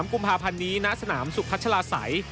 กุมภาพันธ์นี้ณสนามสุพัชลาศัย